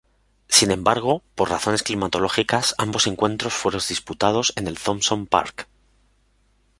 Sin embargo, por razones climatológicas ambos encuentros fueron disputados en el Thompson Park.